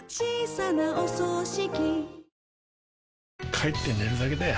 帰って寝るだけだよ